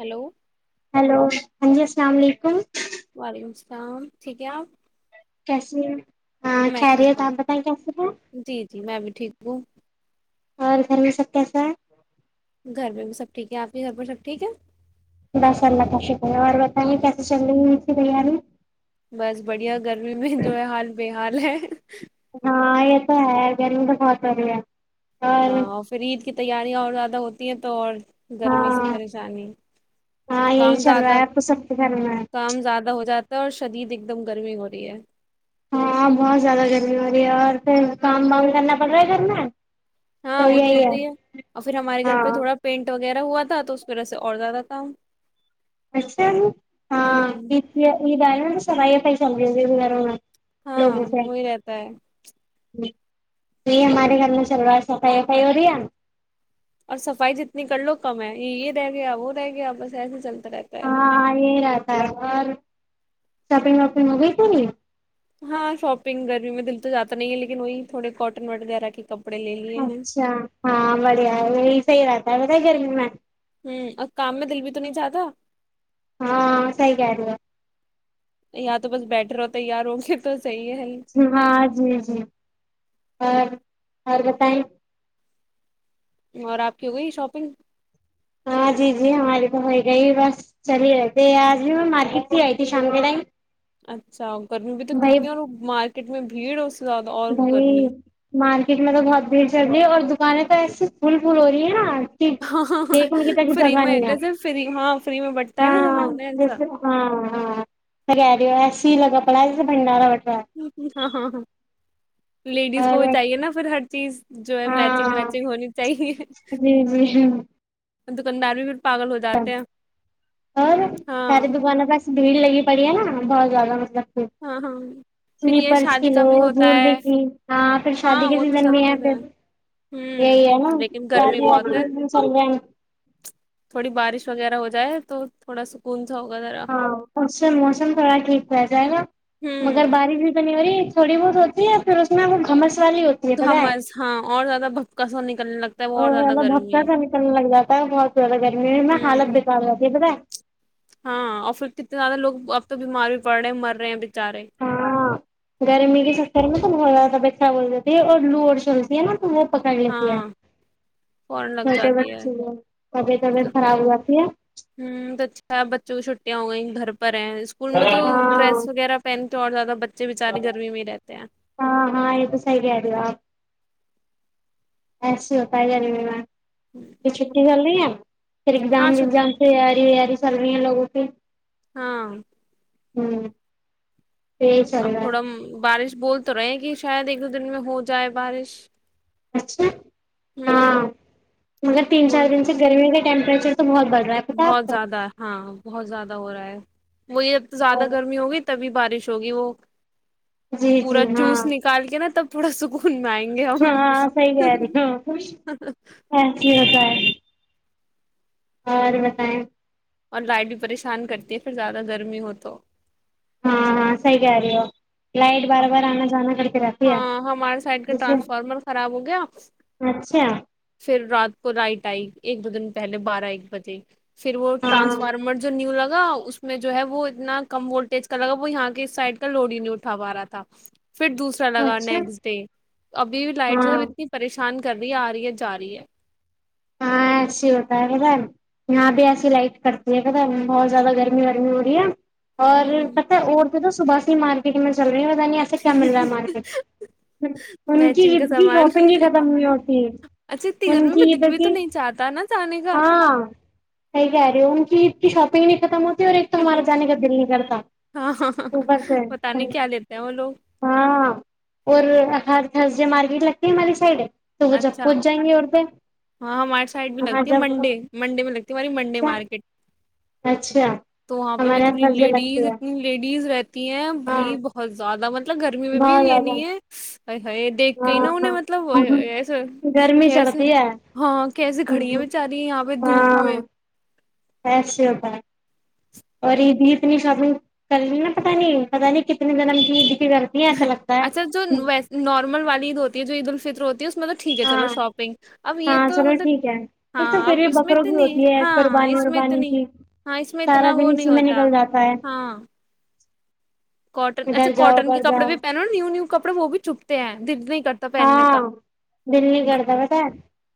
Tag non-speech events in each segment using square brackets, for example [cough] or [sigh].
Hello hello [unintelligible] [unintelligible] شام ٹھیک ہے آپ کیسیے ہیں ہاں میں ٹھیک کہریی ہوں آپ بتائیں کیسے ہیں جی جی میں بھی ٹھیک وہ اور گھر میں سب کیسا گھر پہ بھی سب ٹھیک ہے آپ کے گھر پہ سب ٹھیک ہے بس اللہ کا شکر ہے اور بتائیے کیسے چل رہی ہے اس کی تیاری بس بڑھیا گرمی میں جو ہے حال بے حال ہے ہاں یہ تو ہے گرمی تو بہت ہو رہی ہے ہاں اور پھر عید کی تیاریاں اور زیادہ ہوتی ہیں تو اور گرمی سے ہاں پریشانی ہاں یہی کام چل رہا زیادہ ہے آپ کو سب کے گھر میں کام زیادہ ہو جاتا اور شدید ایک دم گرمی ہو رہی ہے ہاں بہت زیادہ گرمی ہو رہی ہے اور پھر کام وگ کرنا پڑ رہا ہے گھر میں ہاں وہ تو ہوتے ہی ہے اور پھر ہمارے گھر ہاں پہ تھوڑا پینٹ وہ وغیرہ ہوا تھا تو اس ویرح سے اور زیادہ تھا اچھا ہاںائے س یہ پائی سمیر ہاں لوگوں سے وہی رہتا ہے ج یہی ہمارے گھر میں چل رہا ہے صفائی وفائی ہو رہی ہے اور صفائی جتنی کر لو کم ہے یہ یہ رہ گیا وہ رہ گیا بس ایسے چلتا رہتا ہے ہاں یہ رہتا ہے اور شاپنگ واپگ ہوگئی تھ نی ہاں شاپنگ گرمی میں دل تو جاتا نہیں ہے لیکن وہی تھوڑے کاٹن وغیرہ کے کپڑے لے لیے ہیں اچھا ہاں بڑھیا ہے یہی صحی بات بیر گرمی میں ہوں اور کام میں دل بھی تو نہیں جاہا ہاں سحی کہ رہ ہے یاار تو بس بیٹر ہو تیار ہ گے تو صحیح ہے ہاں جی جی اور اوررگرتائ اور آپ کی ہو گئی شاپنگ ہاں جی جی ہماری تو ہو گئی بس چل ہی رہےتے آج بھی میں مارکیٹ سے آئی تھی شام کے ٹائم اچھا گرمی بھی تو بھائی کتنی اور مارچ کتنی بھیڑ اس سے زیادہ اور بھائی گرمی مارکیٹ میں تو بہت بھیڑ چڑ رہی ہے اور ہمانے پ ایسسی پھول پھول ہو رہی ہے نا کہ ہاں دیکھنے کی تک فری جگہ نہیں ہے میںیسے ف ہاں فری میں بٹتا ہے ن ہاں سمان نہیں ایسا جیسے ہاں ہاں س ای س ہی لگا پنا جس سے بنڈاراتا ہ ہ ہاں ہاں ہاں ہے لیڈیز کو بھی اور چاہیے نا پھر ہر چیز جو ہے میچنگ ہاں میچنگ ہونی چاہیے جی جی اکن میں بھیھر پاگل ہو جاتے ہیں اور ہاں ساریے دکان کاس بھیڑ لگی پڑی ہے نا بہت زیادہ مطلب ہاں ہاں پھر یہ سلیپرس کی شادی کا لو بھی ہوتا جری ہے کی ہاں پھر شادی ہاں کے وہ تو سیزن سب میں ہے چیزیں ہیں۔ پھر یہی ہے نا ہوں لیکن گرمی بہت ہے چل جائ تھوڑی بارش وغیرہ ہو جائے تو تھوڑا سکون سا ہوگا ذرا ہاں موسم موسم تھوڑا ٹھیک رہ جائے گا مگر ہوں بارش بھی یی تھوڑی بہت ہوتی ہے اور پھر اس میں وہ گھمس والی ہوتی ہے پتہ ہے گھمس ہاں اور زیادہ بھپکسا نکلنے لگتا ہے وہ زیادہ اور بھتہ گرمی سا نکلنے لگ جا ہے بہت زیادہ گرمی میں میں حالت ہوں بکار جاتی ہے [unintelligible] ہاں اور پھر کتنے زیادہ لوگ اب تو بیمار بھی پڑ رہے ہیں مر رہے ہیں بےچارے ہاں گرمی کی سکتےر ت میں تو بہت کا بیھا بول [unintelligible] دی تھ اور لوڑ چلتی ہے نا تو وہ پکڑ لیتی ہے ہاں فورن لگ چھوٹے جاتی ہے بچے ہیں طبیعت ہ وبیعت خراب ہو جاتی ہے تو اچھا ہے بچوں کی چھٹیاں ہو گئی ہیں گھر پے ہیں اسکول میں تو ہاں ڈریس وغیرہ پہنتے اور زیادہ بچے بےچے گرمی میں ہی رہتے [unintelligible] ہاں ہاں یہ تو صحیح کہ رہی ہو آپ ایس ہوتا ہے گری میں پھر چھٹی چل رہی ہے پھر ایگزام ہاں چھٹ وگزام سے یہ اری سرنییا لگوں تو ہاں ہوں یہی چل اب رہا تھوڑا ہے بارش بول تو رہے ہیں کہ شاید ایک دو دن میں ہو جائے بارش اچھا ہوں ہاں مگر تین چار بول دن سے گرمی گ ٹمپریچر بہت زیادہ ہاں بہت زیادہ ہو رہا ہے وہی اب تو زیادہ اور گرمی ہوگی تبھی بارش شوگی وہ جی جی پورا ہاں جوس نکال کے نا تب [inaudible] گے ہم ہاں صحی کہہ رہی ہاں ایس ہوتا ہے اور بتائیں اور لائٹ بھی پریشان کرتی ہے پھر زیادہ گرمی ہو تو ہاں ہاں صحیح کہہ رہی ہو لائٹ باربار آنا جانا پڑتا ہاں ہمارے سائڈ کا ٹرانسفارمر خراب ہو گیا اچھا پھر رات کو رائٹ آئے گی ایک بجن پہلے بارہ ایک بجے پھر وہ ہاں ٹرانسفارمر جو نیو لگا اس میں جو ہے وہ اتنا کم وولٹیج کا لگا وہ یہاں کے سائڈ کا لوڑی نہیں اٹھا پا رہا تھا پھر دوسر لگا اچھا نسٹ ڈے ابھی لائٹ ج ہاں اتنی پریشان کرنی آ رہی ہے جا رہی ہے ہاں ایسے ہوتا ہے کہا یہاں بھی ایسی لائٹ کرتی ہے کہا بہت زیادہ گرمی رمی ہو رہی ہے اور ہوں پتہ ہے تو صبح ہی مارکٹ میں چل رہیوں کیا مل رہا ہے مارکیٹ ان کی میچنگ کا عید کی سامان شاپنگ ہی ختم ہوئی ہوتی ہے اچھا اتنی ان گرمی میں کی دل بھی ع تو نہیں چاہتا نا جانے کا ہاں س کہ رہے ان کی شاپنگ کی ختمات ایک تو ہمارا جانے کا دل نہیں کرتا ہاں صبح سے پتا نہیں کیا لیتے ہیں وہ لوگ ہاں اور ہ ج مارکیٹ لگتے ہے می سائڈ ہے تو وہ جب اچھا پہنچ جائیں گی اور پ ہاں ہماریے سائڈ بھی لگتی ہے منڈے منڈے میں لگتی ہماری منڈے اچھا مارکیٹ اچھا تو وہاں پہ بھی ہمارے یہاں اتنی تھرسڈے لیڈیز لگتی ہے اتنی لیڈیز رہتی ہیں ہاں بھائی بہت زیادہ مط مطلب گرمی میں بھی بہت یہ زیادہ نہیں ہے یہ دیکھ کے ہی نا ہاں انہیں مطلب ہاں ایسا گرمی کیسے چڑھتی ہے ہاں کیسیے کھڑیا بیچاری یہاں پہ دھوپ ہاں میں ایسے ہوتا اور یہید اتنی شاپنگ کر رہی ہے نا پتا نہیں پتا نہیں کتنی لگ اچھا جو وی نارمل والی عید ہوتی ہے جو عید الفطر ہوتی ہے مطلب ٹھیک ہے چلو ہاں شاپنگ اب یہ ہاں تو چلو مطلب ٹھیک ہے یہ تو ہاں پھر بھی اب اس میں بکروں کی اتنی ہوتی ہے ہاں قربانی اس میں وربانی اتنی کی ہاں اس میں سارا اتنا وہ دن نہیں اسی میں ہوتا نکل جاتا ہے ہاں کوٹن ایسے ادھر جاؤ کاٹن کے ادھر کپڑے جاؤ بھی پہنو نا نیو نیو کپڑے وہ بھی چھپتے ہیں دد نہیں کرتے پہننے ہاں کا دل نہیں کرتا پتا ہے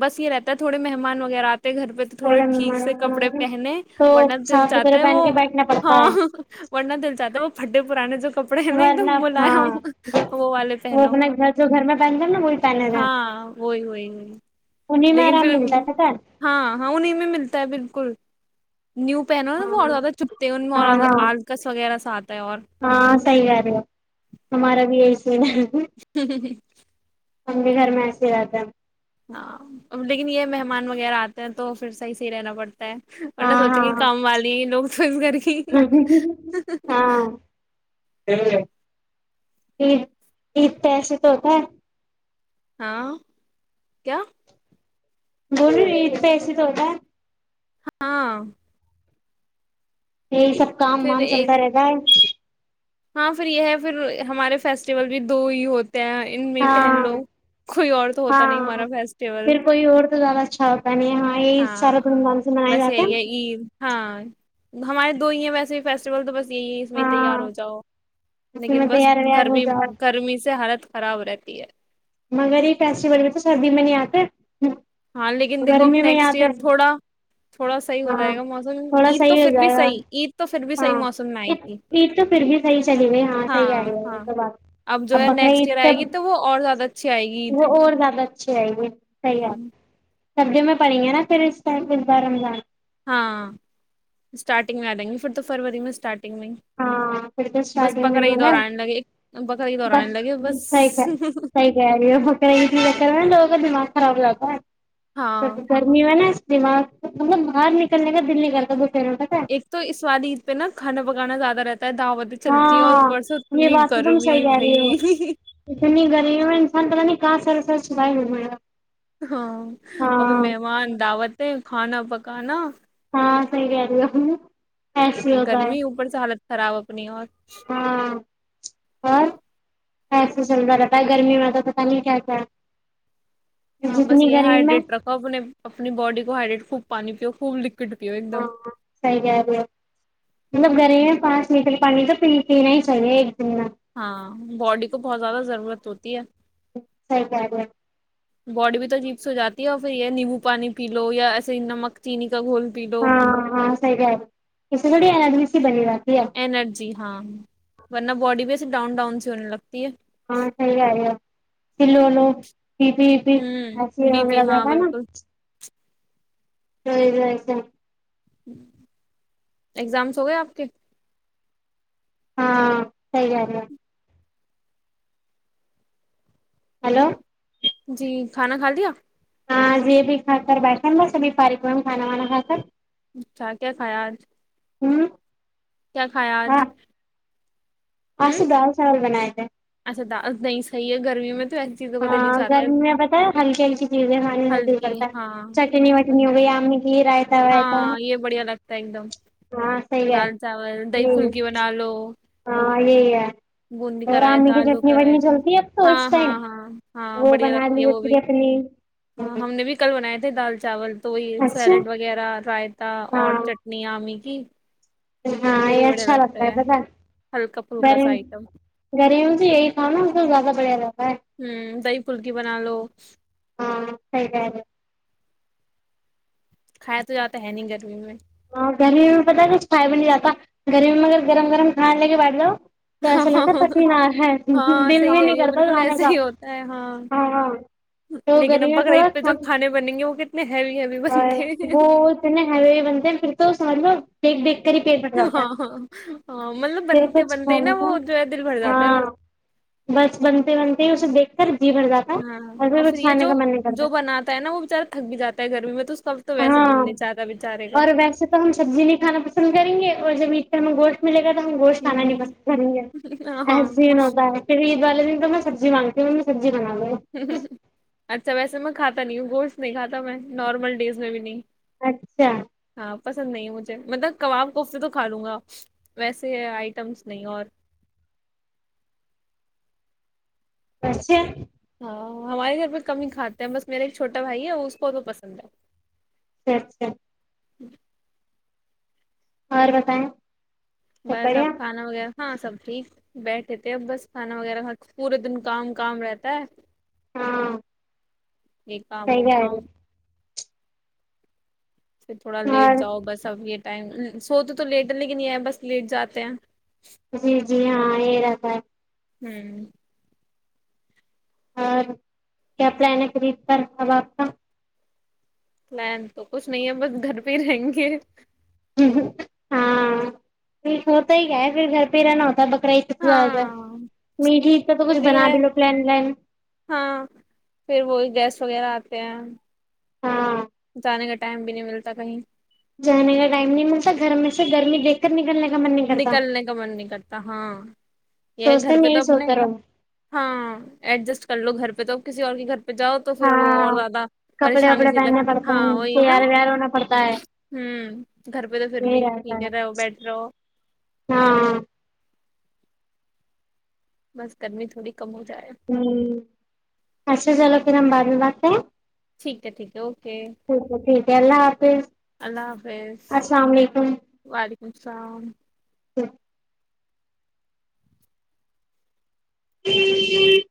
بس یہ رہتا ہے تھوڑے مہمان وغیرہ گھر پہ تو تھوڑے تھوڑا ٹھیک مہمان سے ومان کپڑے آ گئے پہنے تو ورنہ دل صاف چاہتا ستھرے ہے پہن وہ کے بیٹھنا پڑتا ہے ہاں ورنہ دل چاہتا ہے وہ جو کپڑے ہیں نا ایک دم ورنہ ہاں ملائم وہ والے پہنو اپنا گھر جو گھر میں پہنتے ہیں نا وہی پہنے تھے ہاں وہی وہی انہیں میں لیکن آرام پھر ملتا ہے پتا ہے ہاں ہاں انہیں میں ملتا ہے بالکل نیو پہنو نا بہت ہاں زیادہ چپتے ہیں ان میں ہاں اور ہاں آلکس وغیرہ سا آتا ہے اور ہاں صحیح کہہ رہے ہو ہمارا بھی یہی ہ ہ ہ امی گھر میں ایسے ہی رہتے ہیں ہاں لیکن یہ مہمان وغیرہ آتے ہیں تو پھر صحیح سےح ہی رہنا پڑتا ہے ان نے سوچیں گی ہاں کام والی لوگ توز کر گی ہاں ہاں عید عید تو ایسے تو ہوتا ہے ہاں کیا گول ا پہ ایسے تو ہوتا ہے ہاں یہی سب کام پھر وام ایک چلتا رہتا ہے ہاں پھر یہ ہے پھر ہمارے فیسٹیول بھی دو ہی ہوتے ان میں پہن ہاں لو کوئی اور تو ہوتا نہیں ہمارا فیسٹیول زا چھاپ ہاں یہ سارا د ہاں لان سے مناائی بس جات ہے یہی عید ہاں ہمارے دو ہی ہیں ویسے بھی فیسٹیول تو بس یہ اس میں ہاں تیار ہو جاؤ اس لیکن میں بس تیار ویار ہو گرمی جاؤ گرمی سے حالت خراب رہتی ہے مگر یہ فیسٹیول میں تو سردی میں نہیں آ کر ہاں لیکن دیکھو اب نیکسٹ ایئر ہیں۔ تھوڑا تھوڑا صحیح ہو ہاں جائے گا موسم تھوڑا عید تو صحیح ہو پھر بھی جائے گا صحی عید تو پھر بھی صحیح ہاں موسم میں آئی تھی عید تو پھر بھی صحیح چلی گئی ہاں صحیح آ رہی ہے ہاں یہ تو بات اب جو ہے بقرا نیکسٹ عید ایئر آئے تب گی تو وہ اور زیادہ اچھی آئے گی عید۔ وہ اور زیادہ اچھے رہئے گی صحیح ہوں سبھیی میں پڑیں گے نا پھر اس ٹائم بار رمضان ہاں اسٹارٹنگ میں آ جائیں گی پھر تو فروری میںٹارٹ ہاں پھر تو اسٹارٹگ میں عید نا اور آنے لگے بقر عید اور ب آنے لگے بس سی سیا لوگ دماغ خراب لگا ہے ہاں تو فرمی و نا دمار باہر نکلنے کا دل نکل ب ایک تو اسوال عید پہ نا کھانا پکانا زیادہ رہتا ہے دعوتیں چلتی ہیں اور ہاں اوپر سے یہ اتنی بات تو تم صحیح گرمی رہ رہی ہو بھائی اتنی گرمیوں میں انسان پ نہیں کہاں سرا سر سنائی ہو ما ہاں ابھی مہمان دعوتیں کھانا پک کانا ہاں سی ال ال یہ گرمی اوپر سے حالت خراب اپنی اور ایسا چلتا رہتا گرمی میں تو پتا نہیں کیس ہاں بس یہ ہائڈریٹ رکھو اپ نے اپنی باڈی کو ہائڈریٹ خوب پانی پیو پول ہاں سری رہ گر میں پانچ لییٹر پانی تو پی پینا ہی چاہیے دن میں ہاں باڈی کو بہت زیادہ ضرور ضورت ہوتی ہے سرک باڈی بھی تو چپس ہواتی ہے اور پھر یہ نیمبو پانیی لو یا ایے ہی نمک چینی کا گھول پی لو ہاں ہاں سیس گڑ بنی بات ارجی ہاں ورنہ باڈی بی ڈؤن ڈان سے لگ ہاں صحی آال ہے سلوولو پی پ پسی ہوں بی پی وا ہاں بپا نا بالکل س جس اگزامس ہو گئے آپ کے ہاں سی گ رہ ہے ہلو جی کھانا کھا لیا ہاں یہ بھی کھا کر بیٹھاا سبھی پاریکم کھانا وانا کھا کر اچھا کیا خیال ہوں کیا کھایا آج؟ ہوں آسے دال چاول بنائے تھے اچھا دس نہیں صحیح ہے گرمی میں تو ایسی چیزوں کو دل ہی ہاں چاہتا ہے گرمی میں پت ہے ہلکی ہلکی چیزیں کھانے میں دل ہلکی کرتا ہے ہاں چٹنی وٹنی ہو گئی کی رائتا وائتا ہاں یہ بڑھیا لگتا ہے ایک دم ہاں صحیح ہے دال چاول دہی یہی پھلکی بنا لو ہاں یہی ہے بوندی اور کرایا آمی تھا کی آلو چٹنی کرایا وٹنی تھا چلتی ہے اب تو ہاں اس ٹائم ہاں ہاں ہاں وہ بڑھیا بنا لگتی ہے لی وہ بھی پھر اپنی ہاں ہم نے بھی کل بنائے تھے دال چاول ول تو یہ سر اچھا وغیرہ رائتا اور ہاں چٹن آام اسکی ہاں یہ اچھا لگتا ہے پتا ہلکا پھلکا سا گ آئٹم گرموں تو یہی تھا نا زیادہ بڑھیا لگتا ہوں دہی پلکی بنا لو ہاں صحیح کہہ رہے کھایا تو جاتا ہے نہیں گرمی میں ہاں گرمی میں پتاہ کچھ کھائے بھی نہیں جاتا گرمی میں اگر گرم گرم کھانے لے کے بد لو تو ایسا لگتا تکین ہے ہاں دل صحیح بھی کہہ نہیں رہی ہو کرتا بالکل گانے ایسے کا ہی ہوتا ہے ہاں ہاں تو لیکن اب گری میں تھڑا بقرعید پہ جو کھانے بنیں گے وہ کتنے ہیوی ہیوی اور بنتے ہیں وہ بنتے تو سانوا دیکھ دیکھ پیڑ پ جاتتا ہاں ہاں ہاں مطلب پھر بنتے کچھ ک بنتے ہی نا وہ جو ہے دل بھر تھا جاتا ہے ہاں بس بس بنتے بنتے ہی اسب دیکھتے ہاں اور پھر یہ جو من نہیں جو کرتا بناتا ہے نا وہ بچارہ تھک بھی جا ہے گرمی میں تو کا تو ویسے دل ہاں نہیں چاہتا بےچارے کا اور ویسے تو ہم سبزی نہیں کھانا پسند کریں گے اور جب میں گوش ملے گا ہم گوشت کھانا نہیں ہوں پسند کریں گے ہاں ایحسین ہوتا ہے پھر یہید وال دن تو میں سبزی مانگ ہوں میں سب اچھا ویسے میں کھاتا نہیں ہوں گوشت نہیں کھا تھا میں نارمل ڈیز میں بھی نہیں اچھا ہاں پسند نہیں مجھے مطلب کباب کوفتے تو کھا لوں گا ویسے ہے آئٹمس نہیں اور اھے ہمارے گھر پہ کم ہی کھاتے ہیں بس میرا ایک چھوٹا بھائی ہے اس کو پسند ہے اچھا اچھا جی اور بتائیں سب بس اب بڑھیا کھانا وغیرہ ہاں سب ٹھیک بیٹھے تھے اب بس کھانا وغیرہ پورے دن کام کام رہتا ہے ہاں یہ کام وہ صحیح ہے کام پھر تھوڑا لیٹ اور جاؤ بس اب ٹم سو تو تو لیٹ ہے لیکن یہ ہے بس لیٹ جاتے ہیں جی جی ہاں یہ رہتا ہے ہوں اور کیا پرائن خرید کر اب آپ کا لین تو کچھ نہیں ہے بس گھر پہ ہی رہیں گے ہاں ہوتا ہی گیا ہے پھر گھر پہ ہی رہنا ہوتا بکرا عید سے زیادہ ہاں میٹھی عید کا تو یہ کچھ بھی بنا ہے لو پلان ولان ہاں پھر وہی گیس وغیرہ آتی ا ہاں ے کا ٹائم بھی نہیں ملتا کہیں جانے کا ٹائم نہیں ملتا گھر میں سے گرمی دیک کر نکل لگ نکلنے کا من نہیں کرتا ہاں یہ گھر سوچتے پہ میں تو یہی اپنے سوتا رہو ہاں ایڈجسٹ کر لو گھر پہ مطلب کسی اور کی گھر پہ جاؤ تو پھر وہ اور ہاں زیادہ کپڑے پریشانی وپڑے سے پہننے لگتے پڑتے ہیں ہاں وہی نا تیار ویار ہونا پڑتا ہے ہ گھر پہ تو پھر یہی بھی رہتا ٹھیک ہے رہ بیٹھ رہ ہو ہاں بس گرمی تھوڑی کم ہو جائے ہ اچھا چلو پھر ہم بعد میں بات ہیں ٹھیک ہے ٹھیک ہے اوکے ٹھیک ہے اللہ حافظ اللہ حافظ السلام علیکم وعلیکم السلام تو ج ج